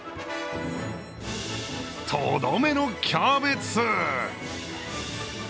とどめのキャベツ！